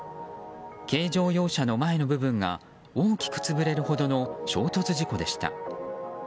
軽乗用車の前の部分が大きく潰れるほどの衝突事故でした。